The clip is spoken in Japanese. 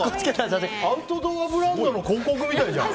アウトドアブランドの広告みたいじゃん。